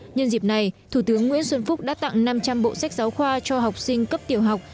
nhân dịp này thủ tướng nguyễn xuân phúc đã tặng năm trăm linh bộ sách giáo khoa cho học sinh cấp tiểu học